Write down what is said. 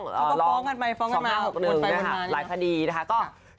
เขาก็ฟ้องกันไปฟ้องมาฟ้องมาหลายคดีนะคะก็คือ